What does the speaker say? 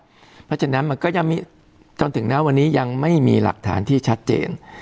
เพราะฉะนั้นมันก็ยังมีจนถึงณวันนี้ยังไม่มีหลักฐานที่ชัดเจน